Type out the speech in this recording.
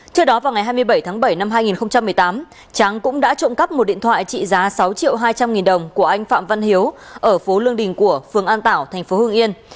trước đó vào ngày hai mươi bảy tháng bảy năm hai nghìn một mươi tám tráng cũng đã trộm cắp một điện thoại trị giá sáu triệu hai trăm linh nghìn đồng của anh phạm văn hiếu ở phố lương đình của phường an tảo tp hưng yên